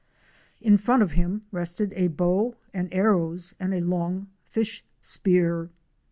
In front of him rested a bow and arrows and a long fish spear.